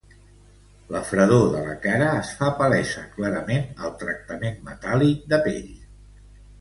La fredor de la cara es fa palesa clarament al tractament metàl·lic de pell.